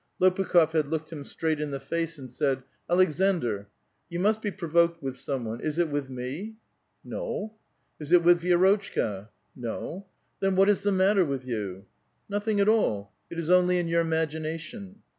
Lopukh6f had looked him straight in the face, and said :—^^ Aleksandr, you must be provoked with some one; is it with me ?"'' No." " Is it with Vi6rotchka ?"*' No." Then what is the matter with yon?" '*' Nothing at all ; it is only in your imagination."